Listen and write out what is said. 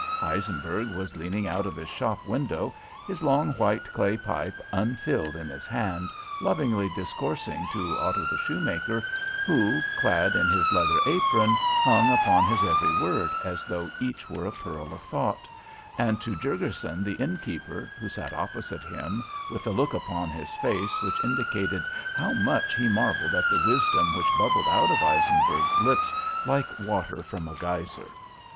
Eisenberg was leaning out of his shop window, his long, white clay pipe unfilled in his hand, lovingly discoursing to Otto the Shoemaker, who, clad in his leather apron, hung upon his every word as though each were a pearl of thought, and to Jurgurson the Innkeeper, who sat opposite him with a look upon his face which indicated how much he marvelled at the wisdom which bubbled out of Eisenberg's lips like water from a geyser.